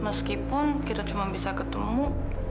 meskipun kita cuma bisa ketemu